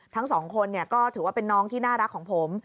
ทั้งสองคนก็ถือว่าเป็นน้องที่น่ารักของผม